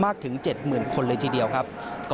มากถึงได้มากถึง๗๐๐๐๐นาทีเดียวครับ